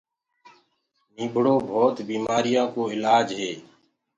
نيٚڀڙو ڀوت بيمآريآن ڪو اِلآج هي